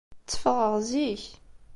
Tteffɣeɣ zik.